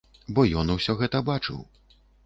Бо ён усё гэта бачыў.